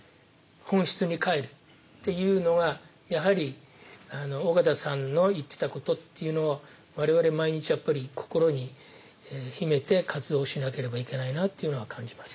「本質に返る」っていうのがやはり緒方さんの言ってたことっていうのは我々毎日やっぱり心に秘めて活動をしなければいけないなっていうのは感じます。